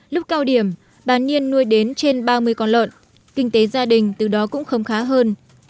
lúc cao điểm bà nhiên nuôi đến trên ba mươi con lợn kinh tế gia đình từ đó cũng khấm khá hơn